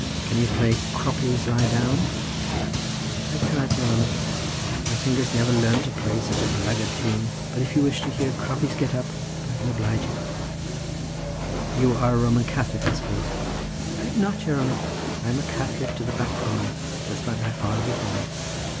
"Can you play 'Croppies Lie Down'?" "I cannot, your hanner; my fingers never learnt to play such a blackguard tune; but if ye wish to hear 'Croppies Get Up' I can oblige ye." "You are a Roman Catholic, I suppose?" "I am nat, your hanner—I am a Catholic to the backbone, just like my father before me.